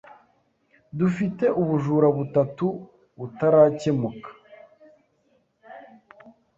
Dufite ubujura butatu butarakemuka.